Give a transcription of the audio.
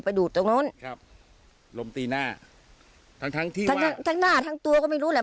ไปดูดตรงโน้นครับลมติงหน้าทั้งทั้งทั้งตัวก็ไม่รู้เลย